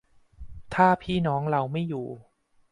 ถ้าพี่น้องเราไม่อยู่